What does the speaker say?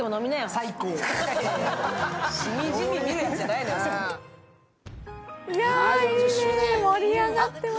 いいね、盛り上がってますね。